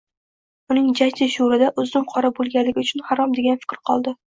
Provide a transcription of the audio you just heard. Uning jajji shuurida uzum qora bo'lganligi uchun harom degan fikr qoldi.